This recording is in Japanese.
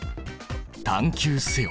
探究せよ！